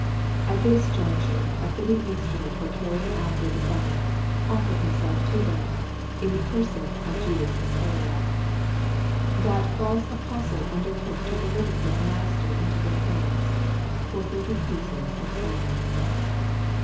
; At this juncture a fitting instrument for carrying out their designs, offered himself to them, in the person of Judas Iscariot. That false apostle undertook to deliver his Master into their hands, for thirty pieces of silver.